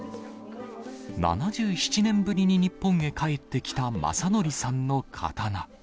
７７年ぶりに日本へ帰ってきた正徳さんの刀。